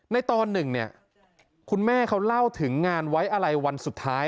ตอนหนึ่งเนี่ยคุณแม่เขาเล่าถึงงานไว้อะไรวันสุดท้าย